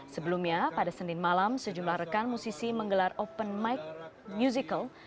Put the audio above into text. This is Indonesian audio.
sebelumnya pada senin malam sejumlah rekan musisi menggelar open mic musical